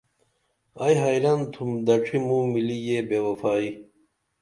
ائی خیرن تُھم دڇِھی موں ملی یہ بے وفائی